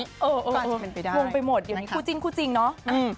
ก็อาจจะเป็นไปได้นะครับคู่จริงเนอะอืม